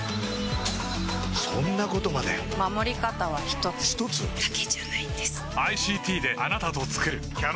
そんなことまで守り方は一つ一つ？だけじゃないんです